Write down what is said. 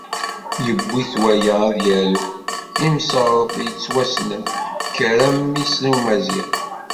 Yewwi-t waya ad yaru, imseɣret yettwassnen "Kker a mmi-s n Umaziɣ."